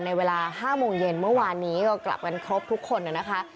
เวลา๕โมงเย็นเมื่อวานนี้ก็กลับกันครบทุกคนนะคะ